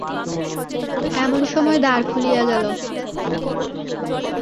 এমন সময় দ্বার খুলিয়া গেল।